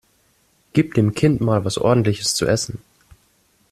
Gib dem Kind mal was Ordentliches zu essen!